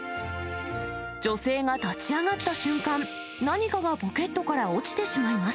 女性が立ち上がった瞬間、何かがポケットから落ちてしまいます。